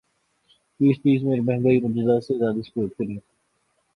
please please میرے بہن بھائیوں مجھے زیادہ سے زیادہ سپورٹ کریں